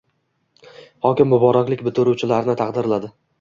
Hokim muboraklik bitiruvchilarni taqdirladi